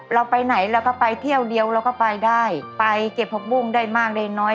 เราไปไหนเราก็ไปเที่ยวเดียวเราก็ไปได้ไปเก็บผักบุ้งได้มากได้น้อย